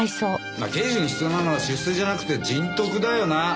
刑事に必要なのは出世じゃなくて人徳だよな。